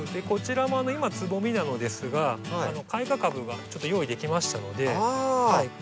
こちらも今つぼみなのですが開花株がちょっと用意できましたので。